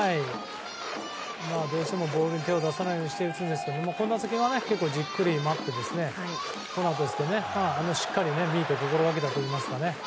どうしてもこういうのに手を出さないようにして打つんですがこの打席はじっくり待ってしっかりミートを心掛けたといいますか。